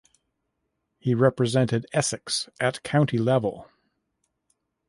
He represented Essex at county level.